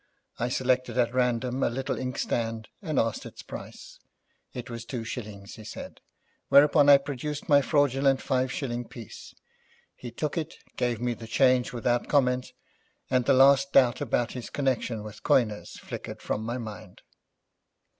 I selected at random a little ink stand, and asked its price. It was two shillings, he said, whereupon I produced my fraudulent five shilling piece. He took it, gave me the change without comment, and the last doubt about his connection with coiners flickered from my mind.